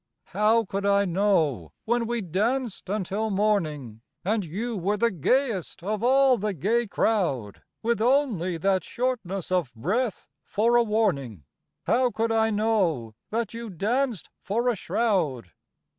How could I know when we danced until morning, And you were the gayest of all the gay crowd— With only that shortness of breath for a warning, How could I know that you danced for a shroud?